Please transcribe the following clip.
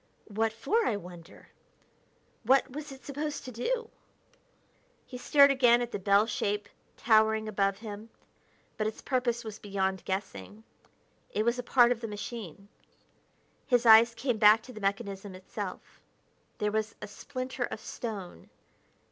What for, I wonder? What was it supposed to do?" He stared again at the bell shape towering above him, but its purpose was beyond guessing: it was a part of the machine. His eyes came back to the mechanism itself. There was a splinter of stone....